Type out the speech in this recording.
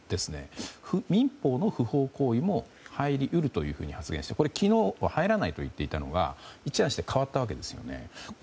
民法の不法行為も入り得ると発言して昨日は入らないと言っていたのが一夜にして変わったわけですよね。